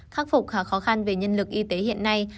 khắc phục khó khăn về nhân lực y tế hiện nay